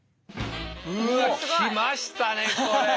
うわ来ましたねこれ！